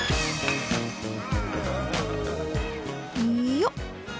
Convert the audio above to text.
よっ！